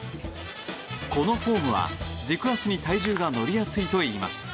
このフォームは、軸足に体重が乗りやすいといいます。